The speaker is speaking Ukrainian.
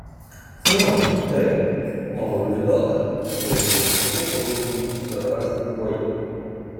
— Ану, ти, — мовив Людота, подаючи важку оружину здоровезному воєві.